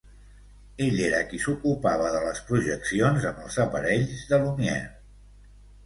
Ell era qui s'ocupava de les projeccions amb els aparells de Lumière.